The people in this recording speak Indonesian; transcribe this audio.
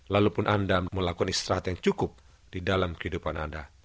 lalu pun anda melakukan istirahat yang cukup di dalam kehidupan anda